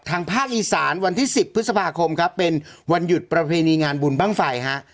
ภาคอีสานวันที่๑๐พฤษภาคมครับเป็นวันหยุดประเพณีงานบุญบ้างไฟฮะ